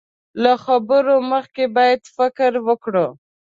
له خبرو مخکې بايد فکر وکړو.